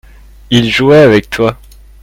il jouait avec toi.